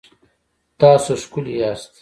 تاسو ښکلي یاست